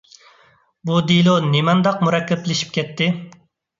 بۇ دېلو نېمانداق مۇرەككەپلىشىپ كەتتى!